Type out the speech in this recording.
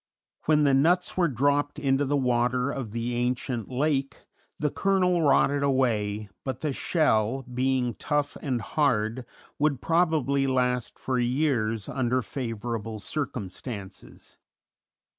When the nuts were dropped into the water of the ancient lake the kernel rotted away, but the shell, being tough and hard, would probably last for years under favorable circumstances.